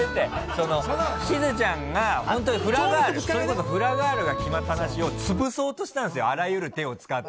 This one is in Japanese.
しずちゃんが本当にフラガール、それこそフラガールが決まった話を潰そうとしたんですよ、あらゆる手を使って。